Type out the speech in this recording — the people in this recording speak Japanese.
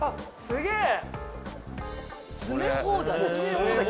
「すげえ！」